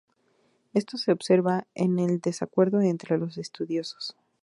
Esto se observa en el desacuerdo entre los estudiosos.